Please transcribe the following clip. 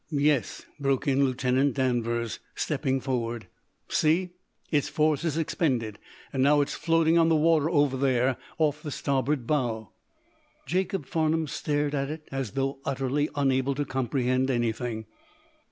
"Yes," broke in Lieutenant Danvers, stepping forward. "See, its force is expended, and now it's floating on the water over there off the starboard bow." Jacob Farnum stared at it as though utterly unable to comprehend anything.